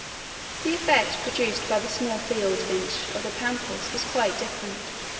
The effect produced by the small field finch of the pampas was quite different.